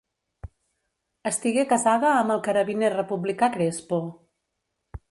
Estigué casada amb el carabiner republicà Crespo.